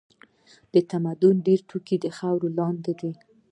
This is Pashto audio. د تمدن ډېر توکي تر خاورو لاندې دي.